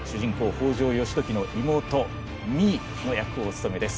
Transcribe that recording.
北条義時の妹実衣の役をお務めです。